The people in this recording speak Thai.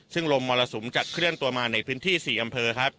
ซึ่งลมมรสุมจะเคลื่อนตัวมาในพื้นที่๔อำเภอครับ